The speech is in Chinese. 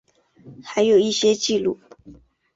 还有一些记录